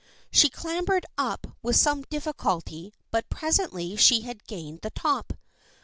She clambered up with some difficulty but presently she had gained the top.